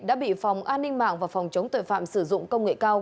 đã bị phòng an ninh mạng và phòng chống tội phạm sử dụng công nghệ cao